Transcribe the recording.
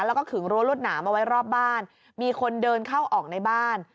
แล้วก็ขึงรั้วรวดหนามเอาไว้รอบบ้านมีคนเดินเข้าออกในบ้าน